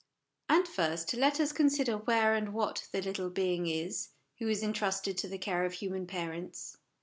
And first, let us con sider where and what the little being is who is entrusted to the care of human parents.